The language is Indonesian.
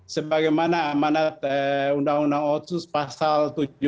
sebagai mana amanat undang undang otsus pasal tujuh puluh tujuh